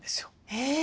へえ。